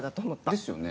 ですよね。